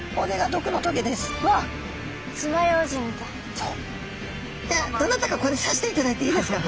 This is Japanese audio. どなたかこれ刺していただいていいですか？